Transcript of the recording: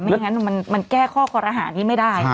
ไม่อย่างนั้นมันแก้ข้อกรหารที่ไม่ได้